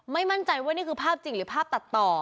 มั่นใจว่านี่คือภาพจริงหรือภาพตัดต่อ